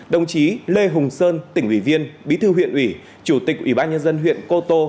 đồng chí lê hùng sơn tỉnh ủy viên bí thư huyện ủy chủ tịch ủy ban nhân dân huyện cô tô